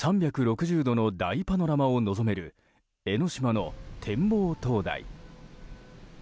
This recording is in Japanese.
３６０度の大パノラマを望める江の島の展望灯台。